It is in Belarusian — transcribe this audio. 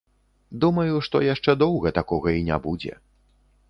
Думаю, што яшчэ доўга такога і не будзе.